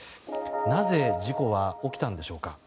なぜ事故は起きたんでしょうか。